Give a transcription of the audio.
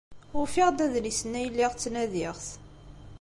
Ufiɣ-d adlis-nni ay lliɣ ttnadiɣ-t.